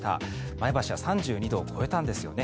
前橋は３２度を超えたんですよね。